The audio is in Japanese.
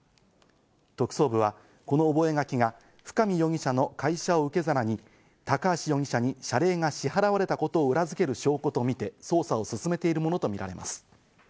特捜部はこの覚書が深見容疑者の会社を受け皿に高橋容疑者に謝礼が支払われたことを裏付ける証拠とみて捜査を進めているものとみられます。